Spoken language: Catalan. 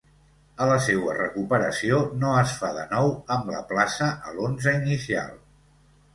A la seua recuperació, no es fa de nou amb la plaça a l'onze inicial.